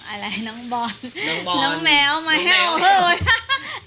อะไรน้องบอลน้องแมวมาแห้วนะ